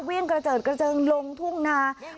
วิ่งกระเจิดลงทุ่งนา